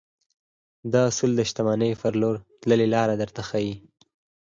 دا اصول د شتمنۍ پر لور تللې لاره درښيي.